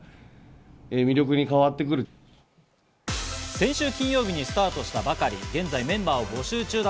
先週金曜日にスタートしたばかりで、現在メンバーを募集中。